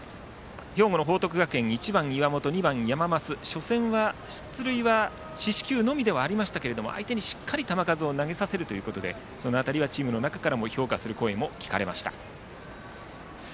兵庫の報徳学園は１番の岩本、２番の山増初戦は出塁は四死球のみではありましたが相手にしっかり球数を投げさせるということでその辺りはチームの中からも評価する声が聞かれました。